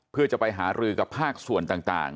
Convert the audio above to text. เพื่อจะไปหารือกับภาคส่วนต่าง